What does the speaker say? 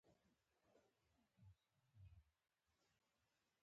په فارمونو کې د هګۍ اچولو او بچیو روزنې لپاره بېل ډنډونه جوړوي.